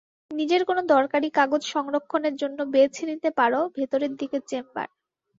নিজের কোনো দরকারি কাগজ সংরক্ষণের জন্য বেছে নিতে পারো ভেতরের দিকের চেম্বার।